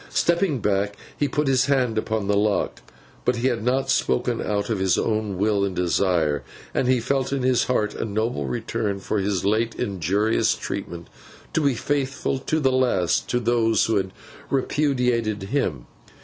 Stepping back, he put his hand upon the lock. But he had not spoken out of his own will and desire; and he felt it in his heart a noble return for his late injurious treatment to be faithful to the last to those who had repudiated him.